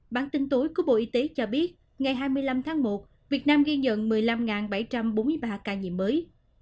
bản tin tối của bộ y tế cho biết ngày hai mươi năm tháng một việt nam ghi nhận một mươi năm bảy trăm bốn mươi ba ca nhiễm mới